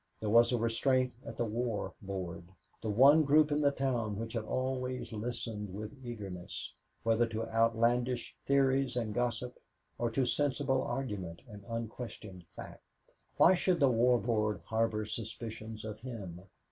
There was a restraint at the War Board the one group in the town which had always listened with eagerness, whether to outlandish theories and gossip or to sensible argument and unquestioned fact. Why should the War Board harbor suspicions of him?